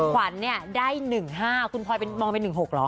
ขวัญเนี่ยได้๑๕คุณพลอยมองเป็น๑๖เหรอ